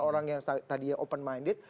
orang yang tadinya open minded